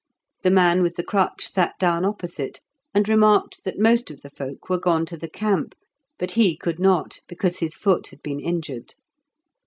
The man with the crutch sat down opposite, and remarked that most of the folk were gone to the camp, but he could not because his foot had been injured.